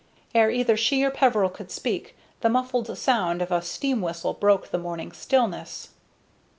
Ere either she or Peveril could speak, the muffled sound of a steam whistle broke the morning stillness.